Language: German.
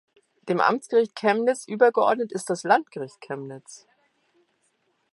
Dem Amtsgericht Chemnitz übergeordnet ist das Landgericht Chemnitz.